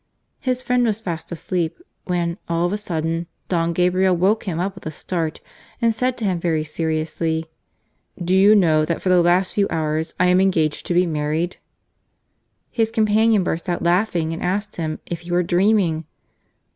His friend was fast asleep, when, all of a sudden, Don Gabriel woke him up with a start and said to him very seriously :" Do you know that for the last few hours I am engaged to be married ?" His companion burst out laughing and asked him " if he were dreaming